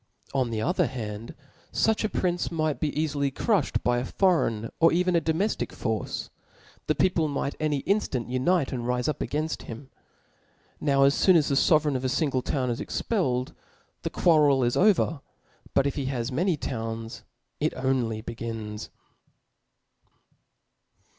On the other hand, fuch a prince might bceafily crufhed by a foreign or even a domeftic force ; the people might every inftant unite and rife up againft him. Now as foon as the fovereign of a fingle town is expelled, the quarrel is over; but if he has many towns, it only begins.